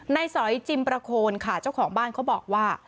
สอยจิมประโคนค่ะเจ้าของบ้านเขาบอกว่า